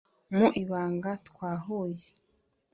mu ibanga twahuye –